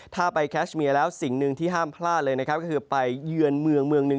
ถ้าไปแคชเมียแล้วสิ่งหนึ่งที่ห้ามพลาดเลยคือไปเยือนเมือง